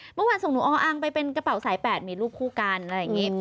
เมื่อวานส่งหนูอังไปเป็นกระเป๋าสาย๘มีรูปคู่กันอะไรอย่างนี้